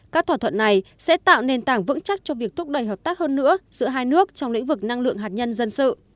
các thỏa thuận này sẽ tạo nền tảng vững chắc cho việc thúc đẩy hợp tác hơn nữa giữa hai nước trong lĩnh vực năng lượng hạt nhân dân sự